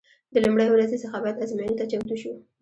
د لومړۍ ورځې څخه باید ازموینې ته چمتو شو.